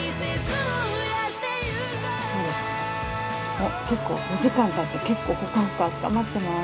おっ結構４時間たって結構ホカホカあったまってます。